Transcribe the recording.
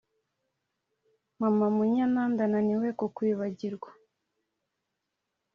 mama munyana ndananiwe kukwibagirwa